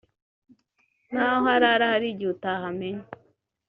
naho arara hari igihe utahamenya